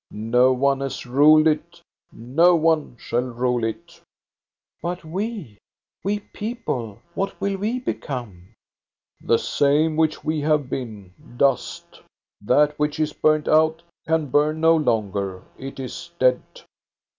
No one has ruled it, no one shall rule it." " But we, we people, what will we become —"" The same which we have been — dust. That which is burned out can burn no longer ; it is dead.